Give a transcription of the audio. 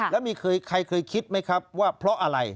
แล้วมีใครเคยคิดไหมครับว่าเพราะอะไร